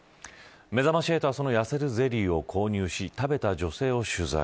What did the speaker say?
めざまし８はそのやせるゼリーを購入し、食べた女性を取材。